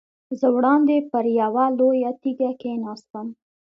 زه وړاندې پر یوه لویه تیږه کېناستم.